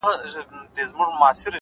هره لاسته راوړنه له ژمنتیا پیاوړې کېږي.!